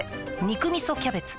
「肉みそキャベツ」